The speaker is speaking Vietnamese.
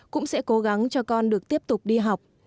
cũng sẽ cố gắng cho con được tiếp tục đi học